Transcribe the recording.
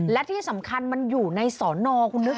และที่สำคัญมันอยู่ในสอนอคุณนึก